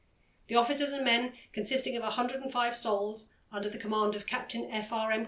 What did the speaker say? The officers and men, consisting of 105 souls, under the command of Captain F. R. M.